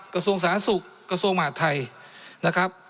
กระทรวงสาธารณสุขกระทรวงมหาดไทยนะครับ